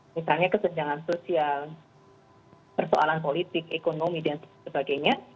misalnya kesenjangan sosial persoalan politik ekonomi dan sebagainya